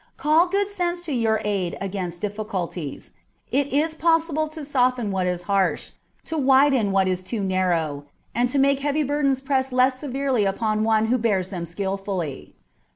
Call good sense to your aid against difficulties : it is possible to soften what is harsh, to widen what is too narrow, and to make heavy burdens press less severely upon one who bears them skilfully.